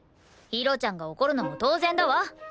ひろちゃんが怒るのも当然だわ。